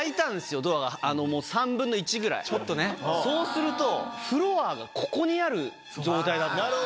そうするとフロアがここにある状態だった。